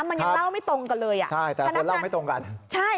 มันยังเล่าไม่ตรงกันเลย